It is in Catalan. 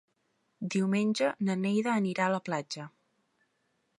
Diumenge na Neida anirà a la platja.